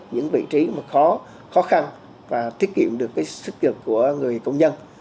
những vị trí khó khăn và thiết kiệm được sức kiệm của người công nhân